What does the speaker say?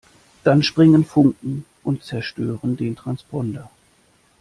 Dann springen Funken und zerstören den Transponder.